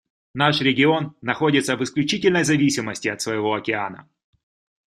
Наш регион находится в исключительной зависимости от своего океана.